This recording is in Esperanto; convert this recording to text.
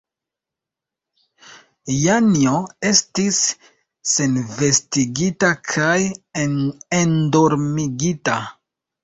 Janjo estis senvestigita kaj endormigita.